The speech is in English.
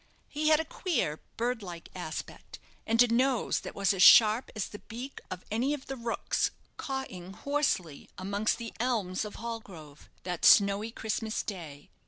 He had a queer, bird like aspect, and a nose that was as sharp as the beak of any of the rooks cawing hoarsely amongst the elms of Hallgrove that snowy Christmas day.